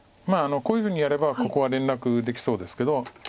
こういうふうにやればここは連絡できそうですけど。